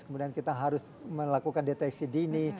kemudian kita harus melakukan deteksi dini